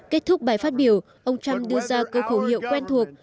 kết thúc bài phát biểu ông trump đưa ra câu khẩu hiệu quen thuộc